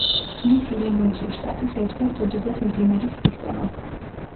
ქმნის ილინოისის შტატის ერთ-ერთ უდიდეს მდინარის სისტემას.